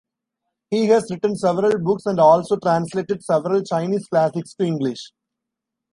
He has written several books and also translated several Chinese classics to English.